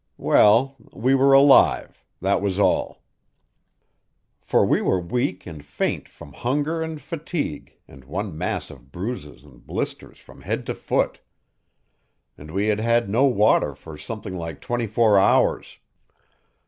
Well! We were alive that was all. For we were weak and faint from hunger and fatigue, and one mass of bruises and blisters from head to foot. And we had had no water for something like twenty four hours.